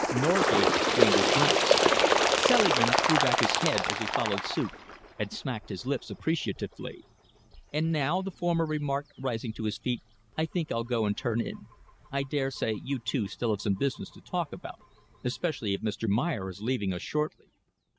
Norgate drained his glass. Selingman threw back his head as he followed suit, and smacked his lips appreciatively. "And now," the former remarked, rising to his feet, "I think I'll go and turn in. I dare say you two still have some business to talk about, especially if Mr. Meyer is leaving us shortly."